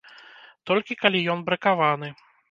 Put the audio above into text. Толькі калі ён бракаваны.